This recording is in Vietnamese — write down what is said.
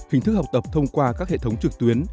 hình thức học tập thông qua các hệ thống trực tuyến